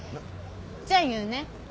じゃ言うね。